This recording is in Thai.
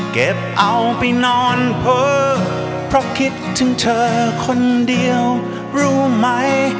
เก็บเอาไปนอนเผลอเพราะคิดถึงเธอคนเดียวรู้ไหม